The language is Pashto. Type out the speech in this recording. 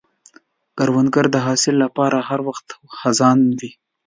کروندګر د حاصل له پاره هر وخت هڅاند وي